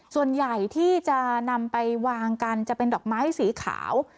ส่วนใหญ่ที่จะนำไปวางกันจะเป็นดอกไม้สีขาว